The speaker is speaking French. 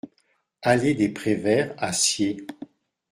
Allée des Pres Verts à Sciez